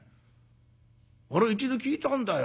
俺一度聞いたんだよ。